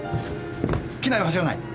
機内は走らない！